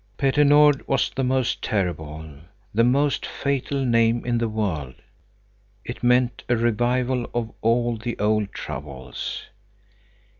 Petter Nord was the most terrible, the most fatal name in the world. It meant a revival of all the old troubles.